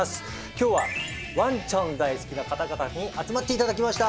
今日はワンちゃん大好きな方々に集まっていただきました！